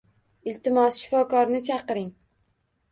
Iltimos, shifokorni chaqiring.